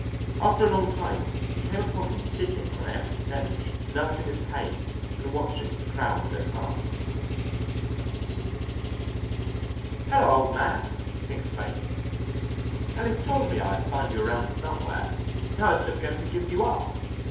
After a long time he came upon him sitting on an empty bench nursing his cane and watching the crowd go past. "Hello, old man!" he exclaimed. "Ellis told me I would find you around somewhere. I was just going to give you up."